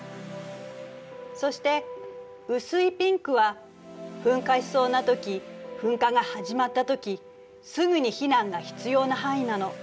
そして薄いピンクは噴火しそうなとき噴火が始まったときすぐに避難が必要な範囲なの。